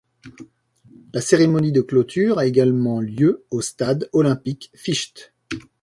La cérémonie de clôture a également lieu au Stade olympique Ficht.